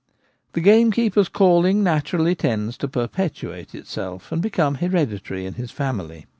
The gamekeeper's calling naturally tends to per petuate itself and become hereditary in his family.